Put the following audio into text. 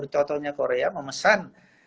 contohnya korea memesan